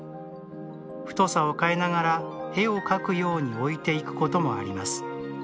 太さを変えながら絵を描くように置いていくこともあります。